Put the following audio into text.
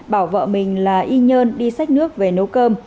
bảo vợ mình là y nhân đi xách nước về nấu cơm